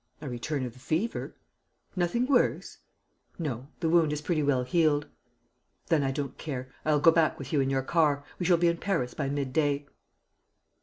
"A return of the fever." "Nothing worse?" "No. The wound is pretty well healed." "Then I don't care. I'll go back with you in your car. We shall be in Paris by mid day."